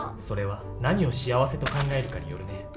それは何を幸せと考えるかによるね。